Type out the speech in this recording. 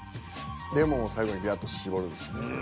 レモンを最後にビャッと搾るんです。